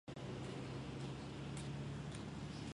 从源头就出了问题